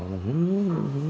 nó hú hú hú hú